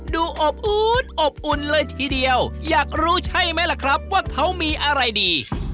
อบอุ่นอบอุ่นเลยทีเดียวอยากรู้ใช่ไหมล่ะครับว่าเขามีอะไรดี